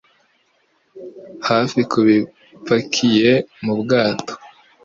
hafi ku bipakiye mu bwato